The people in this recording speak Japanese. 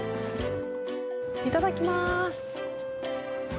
いただきます。